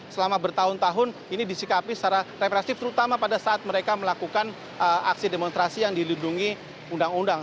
selama bertahun tahun ini disikapi secara represif terutama pada saat mereka melakukan aksi demonstrasi yang dilindungi undang undang